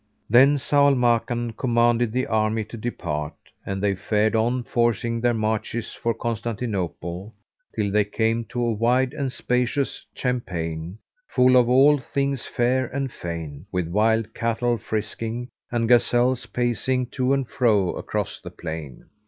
Then Zau al Makan commanded the army to depart; and they fared on forcing their marches for Constantinople, till they came to a wide and spacious champaign, full of all things fair and fain, with wild cattle frisking and gazelles pacing to and fro across the plain.